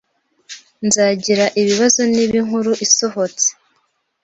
Nzagira ibibazo niba inkuru isohotse.